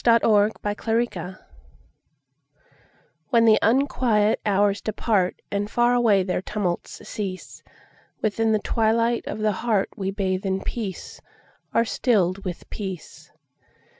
The Hour of Twilight WHEN the unquiet hours departAnd far away their tumults cease, Within the twilight of the heartWe bathe in peace, are stilled with peace.